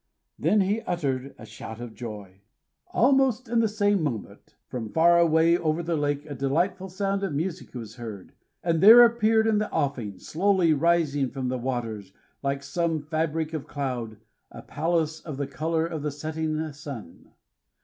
Then he uttered a shout of joy. Almost in the same moment, from far away over the lake, a delightful sound of music was heard; and there appeared in the offing, slowly rising from the waters, like some fabric of cloud, a palace of the color of the setting sun.